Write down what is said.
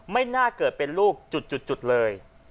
ไม่น่าจะเกิดเป็นลูกเลย